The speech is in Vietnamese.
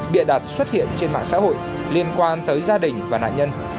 bịa đặt xuất hiện trên mạng xã hội liên quan tới gia đình và nạn nhân